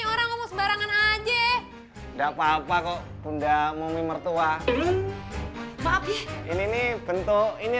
ini orang ngomong sebarangan aja enggak papa kok bunda mumi mertua ini bentuk ini